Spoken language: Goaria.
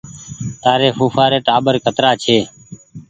تآري ڦوڦآ ري ٽآٻر ڪترآ ڇي